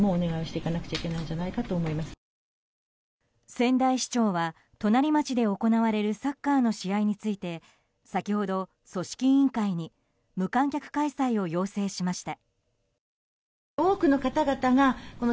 仙台市長は隣町で行われるサッカーの試合について先ほど組織委員会に無観客開催を要請しました。